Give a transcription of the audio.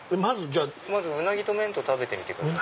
まずうなぎと麺食べてください。